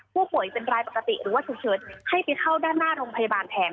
ผู้ป่วยเป็นรายปกติหรือว่าฉุกเฉินให้ไปเข้าด้านหน้าโรงพยาบาลแทน